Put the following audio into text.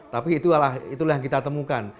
tapi itulah yang kita temukan